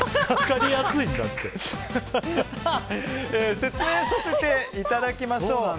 説明させていただきましょう。